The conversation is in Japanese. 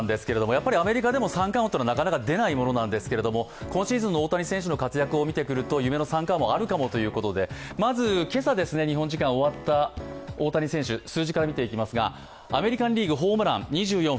やっぱりアメリカでも三冠王というのはなかなか出ないものなんですが今シーズンの大谷選手の活躍を見てみると、夢の三冠王もあるかもということで、まず、今朝、日本時間、終わった大谷選手数字から見ていきます。